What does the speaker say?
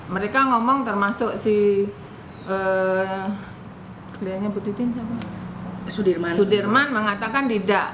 mereka ngomong termasuk si sudirman mengatakan tidak